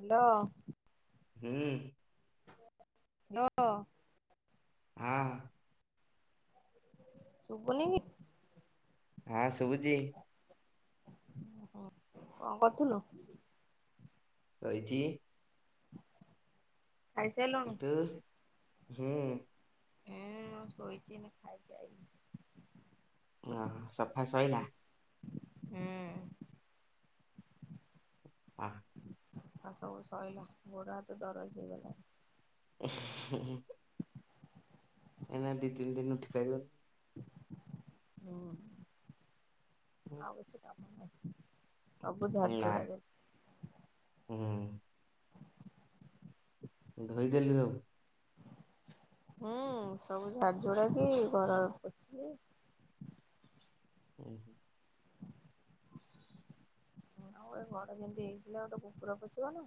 Hello. ହୁଁ। [unintelligible] ହଁ। ସୁବୁନିକି। ହ ଶୁବୁଚି। କଣ କରଥୁଲୁ? ରହିଛି। ଖାଇସାରଲୁଣୁ? ତୁ ହୁଁ। ଏ ହଁ, ଶୋଇଚି ଖାଇକି ଆଇଲି। ନାମ ସଫା ସଇଲା। ହୁଁ। [unintelligible] ଆଉ ସବୁ ସଇଲା। ଗୋଡ ହାତ ଦରଜ ହେଇଗଲା। [unintelligible] ଏଇନା ଦି ତିନି ଦିନ ଉଠିପାରିବ? ହୁଁ ଆଉ କିଛି କାମ ନାହିଁ ସବୁ ଝାଡି ହୁଁନା ଝୁଡା ଦେଲି। ହୁଁ। ଧୋଇଦେଲି ସବୁ ହୁଁ ସବୁ ଝାଡ ଝୁଡା କି ଘର ପୋଛିଲି। ହୁଁ ହୁଁ। ଆଉ ଏ ଘର ଯେମିତି ହେଇଥିଲା ଗୋଟେ କୁକୁର ପଶିବ ନା?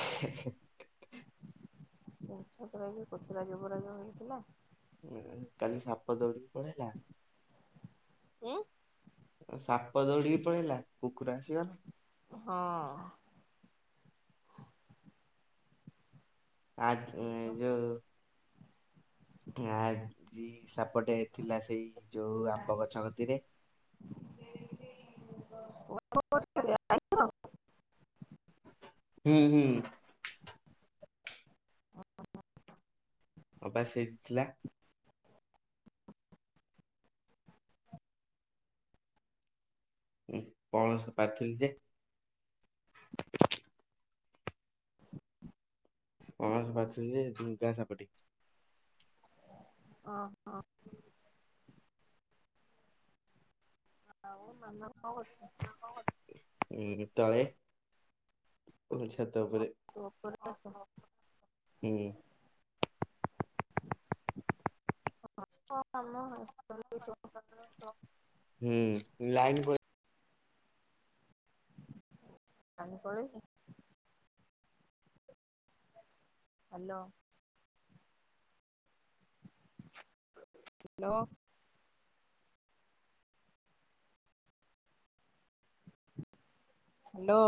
ହେ ହେ। ସେ ଛତୁରା ହେଇକି କୋତରା ଜୋବରା ଯଉ ହେଇଥିଲା। ଇ କାଲି ସାପ ଦୌଡିକି ପଳେଇଲା ଉଁ ସାପ ଦୌଡିକି ପଳେଇଲା କୁକୁର ଆସିଗଲା। ହଁ। ଆ ଏ ଯୋଉ। ଆଜି ସାପଟେ ଥିଲା ସେଇ ଯୋଉ ଆମ୍ବ ଗଛ କତି ରେ। [unintelligible] ହୁଁ ହୁଁ। ହଁ ବା ସେଇଠି ଥିଲା। ଉଁ ପଣସ ପାରୁଥିଲି ଯେ। ପଣସ ପାରୁଥିଲି ଯେ ଡୁଙ୍ଗା ସାପ ଟେ। ଅ ଆଉ ମାମା କଣ କରୁଚି? ଉଁ ତଳେ ମୁଁ ଛାତ ଉପରେ। ତୁ ଉପରେ ଅଛୁ? ହୁଁ ହଁ [unintelligible] ହୁଁ ଲାଇନ ଲାଇନ୍ ପଳେଇଛି। ହାଲୋ। ହାଲୋ। ହାଲୋ।